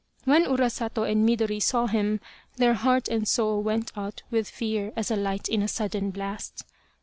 When Urasato and Midori saw him, their heart and soul went out with fear as a light in a sudden blast.